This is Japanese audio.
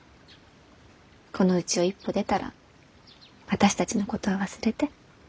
このうちを一歩出たら私たちのことは忘れて。